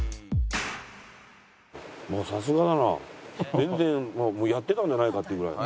全然やってたんじゃないかっていうぐらい。